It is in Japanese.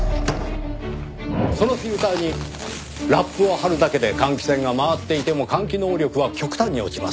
そのフィルターにラップを張るだけで換気扇が回っていても換気能力は極端に落ちます。